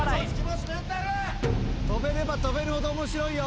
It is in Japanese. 跳べれば跳べるほど面白いよ。